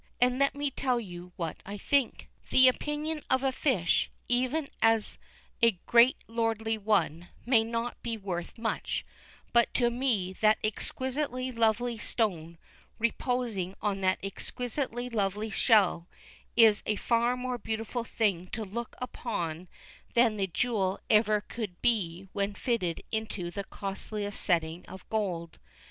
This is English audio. And let me tell you what I think. The opinion of a fish, even a great lordly one, may not be worth much, but to me that exquisitely lovely stone, reposing on that exquisitely lovely shell, is a far more beautiful thing to look upon than the jewel ever could be when fitted into the costliest setting of gold.